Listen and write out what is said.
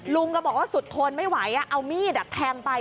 ลุงก็บอกว่าสุดทนไม่ไหวเอามีดแทงไป